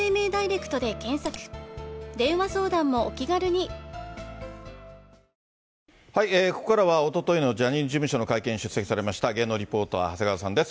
ニトリここからはおとといのジャニーズ事務所の会見に出席されました、芸能リポーター、長谷川さんです。